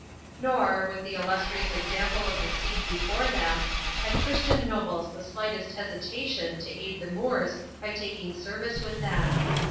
Nor, with the illustrious example of the Cid before them, had Christian nobles the slightest hesitation to aid the Moors by taking service with them.